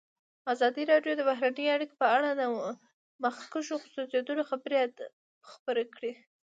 ازادي راډیو د بهرنۍ اړیکې په اړه د مخکښو شخصیتونو خبرې خپرې کړي.